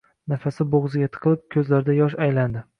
Nafasi bo`g`ziga tiqilib, ko`zlarida yosh aylandi